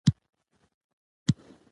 افغانستان د غرونه له امله شهرت لري.